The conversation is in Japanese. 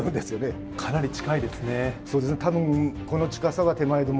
かなり近いですね。